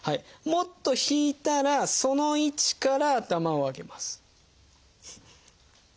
もっと引いたらその位置から頭を上げます。